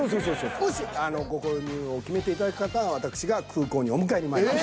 もしご購入を決めていただく方は私が空港にお迎えにまいります。